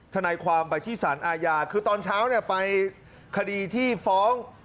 ทนายความบัติธิสรรอาญาคือตอนเช้าไปคดีที่ฟ้อง